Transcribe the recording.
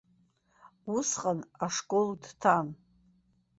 Усҟан ашкол дҭан.